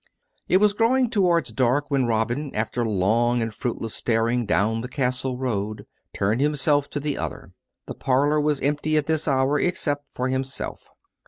It was growing towards dark when Robin, after long and fruitless staring down the castle road, turned himself to the other. The parlour was empty at this hour except for himself.